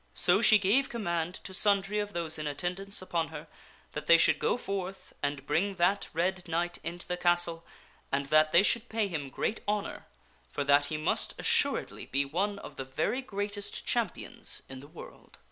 So she gave command to sundry of those in attendance upon her that they should go forth and bring that red knight into the castle and that they should pay him great honor; for that he must assuredly be one of the very greatest champions in the world.